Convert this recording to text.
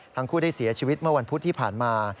ทั้งคู่ได้เสียชีวิตเมื่อวันพุธที่ผ่านมา